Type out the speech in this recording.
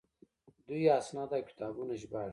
دوی اسناد او کتابونه ژباړي.